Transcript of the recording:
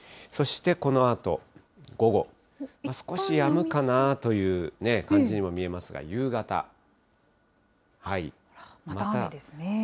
そしてこのあと午後、少しやむかなという感じにも見えますが、夕また雨ですね。